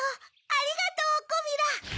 ありがとうゴミラ。